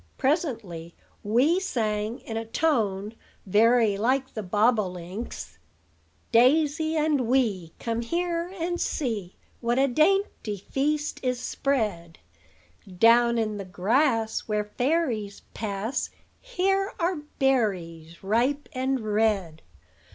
Presently Wee sang in a tone very like the bob o link's: "Daisy and Wee, Come here, and see What a dainty feast is spread: Down in the grass Where fairies pass, Here are berries ripe and red.